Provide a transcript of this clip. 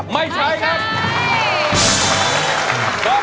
ไม่ใช้ครับ